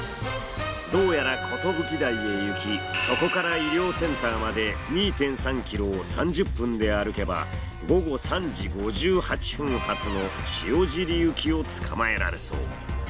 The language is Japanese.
どうやら寿台へ行きそこから医療センターまで２．３ｋｍを３０分で歩けば午後３時５８分発の塩尻行きを捕まえられそう。